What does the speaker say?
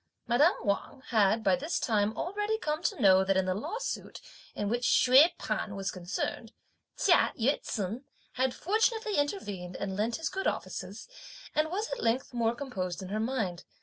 Madame Wang had by this time already come to know that in the lawsuit, in which Hsüeh P'an was concerned, Chia Yü ts'un had fortunately intervened and lent his good offices, and was at length more composed in her mind.